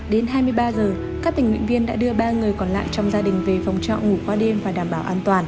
đến hai mươi ba giờ các tình nguyện viên đã đưa ba người còn lại trong gia đình về phòng trọ ngủ qua đêm và đảm bảo an toàn